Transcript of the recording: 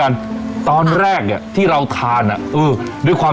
อันนี้อร่อยจริงด้วยนะ